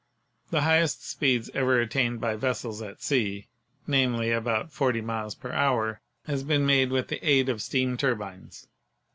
The highest speeds ever attained by vessels at sea — namely, about forty miles per hour — has been made with the aid of steam turbines.